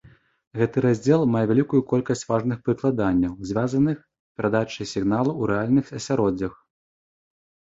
Гэты раздзел мае вялікую колькасць важных прыкладанняў, звязаных з перадачай сігналаў у рэальных асяроддзях.